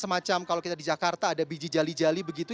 semacam kalau kita di jakarta ada biji jali jali begitu